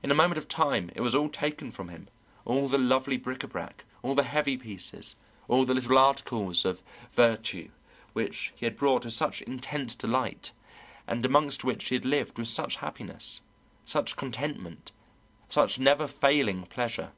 In a moment of time it was all taken from him, all the lovely bric à brac, all the heavy pieces, all the little articles of vertu which he had bought with such intense delight and amongst which he had lived with such happiness, such contentment, such never failing pleasure.